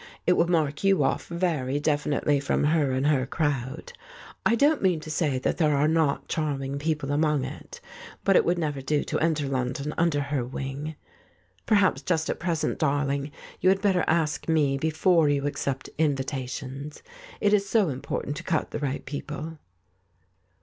It will mark you off very definitely from her and her crowd. I don't mean to say that there are not charming people among it, but it would never do to enter London under her wing. Perhaps i34 The False Step just at present, darling, you had better ask me before you accept invitations. It is so important to cut the right people."